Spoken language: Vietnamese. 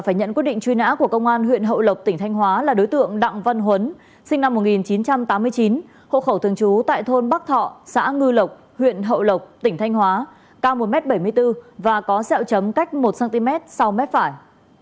phải nhận quyết định truy nã của công an huyện hậu lộc tỉnh thanh hóa là đối tượng đặng văn huấn sinh năm một nghìn chín trăm tám mươi chín hộ khẩu thường trú tại thôn bắc thọ xã ngư lộc huyện hậu lộc tỉnh thanh hóa cao một m bảy mươi bốn và có xẹo chấm cách một cm sau mép phải